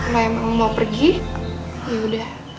lo emang mau pergi yaudah